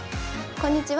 こんにちは。